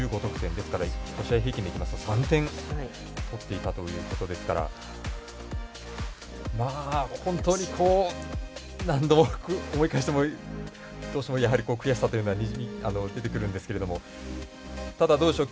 ですから１試合平均でいきますと３点取っていたということですから本当に、何度思い返してもどうしても悔しさというのがにじみ出てくるんですけどただ、どうでしょう